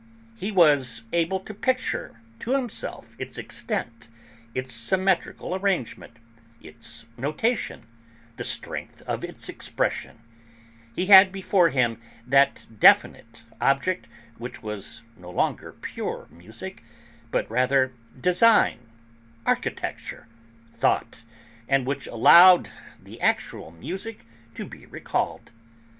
He was able to picture to himself its extent, its symmetrical arrangement, its notation, the strength of its expression; he had before him that definite object which was no longer pure music, but rather design, architecture, thought, and which allowed the actual music to be recalled.